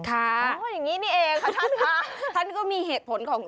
แถมรางมันอ่อนไม่แข็ง